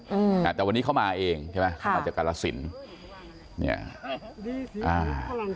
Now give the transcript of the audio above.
อืมอ่าแต่วันนี้เขามาเองใช่ไหมค่ะมาจากกรสินเนี่ยอ่า